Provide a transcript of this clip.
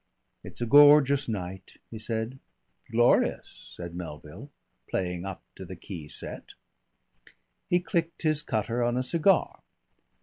"It's a gorgeous night," he said. "Glorious," said Melville, playing up to the key set. He clicked his cutter on a cigar.